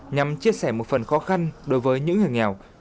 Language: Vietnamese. nhằm chia sẻ một phần khó khăn đối với những người nghèo